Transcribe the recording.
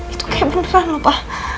itu kayak beneran lho pak